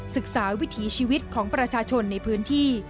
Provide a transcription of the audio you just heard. ศึกษาวิถีชีวิตของประชาชนในพื้นที่